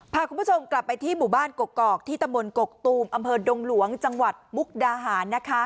พาคุณผู้ชมกลับไปที่หมู่บ้านกกอกที่ตำบลกกตูมอำเภอดงหลวงจังหวัดมุกดาหารนะคะ